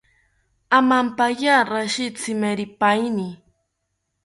Amampaya rashi tsimeripaini